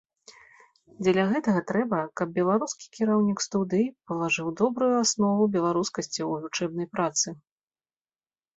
Дзеля гэтага трэба, каб беларускі кіраўнік студыі палажыў добрую аснову беларускасці ў вучэбнай працы.